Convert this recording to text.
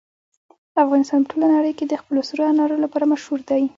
افغانستان په ټوله نړۍ کې د خپلو سرو انارو لپاره مشهور دی.